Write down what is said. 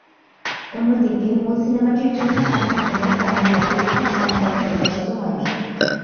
অন্যদিকে, মূল সিনেমাটির জন্য এখনও কোনও তামিল বা তেলুগু সংস্করণ প্রকাশিত হয়নি।